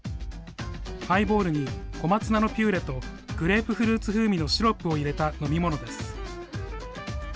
ハイボールに小松菜のピューレとグレープフルーツ風味のシロップを入れた飲み物です。